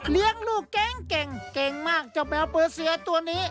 เลี้ยงลูกเก่งเป็นแมวเปิดเสียตัวนี้